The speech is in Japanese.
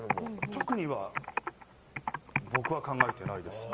特には僕は考えていないです。